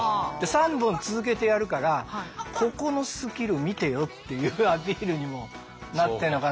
３本続けてやるからここのスキル見てよっていうアピールにもなってるのかな。